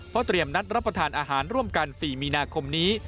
เพราะเตรียมนัดรับประทานอาหารร่วมกัน๔มีนาคมนี้